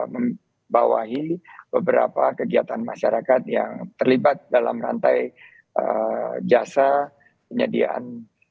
membawahi beberapa kegiatan masyarakat yang terlibat dalam rantai jasa penyediaan